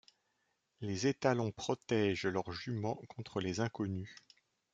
Les étalons protègent leurs juments contre les inconnus.